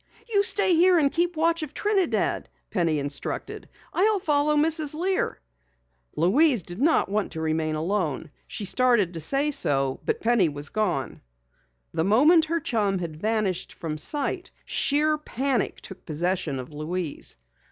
"You stay here and keep watch of Trinidad!" Penny instructed. "I'll follow Mrs. Lear." Louise did not want to remain alone. She started to say so, but Penny was gone. The moment her chum had vanished from sight, sheer panic took possession of Louise.